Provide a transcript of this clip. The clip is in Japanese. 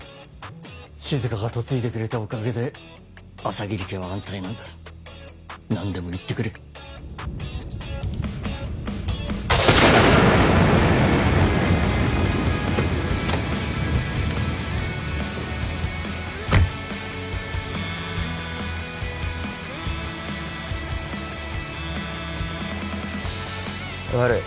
静が嫁いでくれたおかげで朝霧家は安泰なんだ何でも言ってくれ悪い